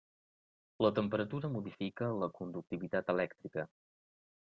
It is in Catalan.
La temperatura modifica la conductivitat elèctrica.